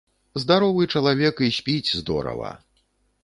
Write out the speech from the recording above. Здаровы чалавек і спіць здорава.